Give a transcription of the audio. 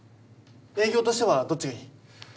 営業としてはどっちがいい？